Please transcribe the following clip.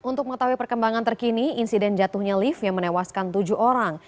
untuk mengetahui perkembangan terkini insiden jatuhnya lift yang menewaskan tujuh orang